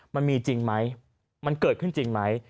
มันมีจริงไหมมันเกิดขึ้นจริงไหม